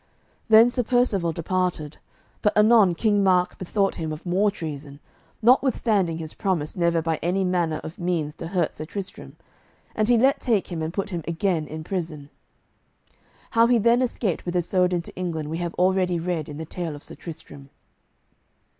Then Sir Percivale departed, but anon King Mark bethought him of more treason, notwithstanding his promise never by any manner of means to hurt Sir Tristram, and he let take him and put him again in prison. How he then escaped with Isoud into England we have already read in the tale of Sir Tristram.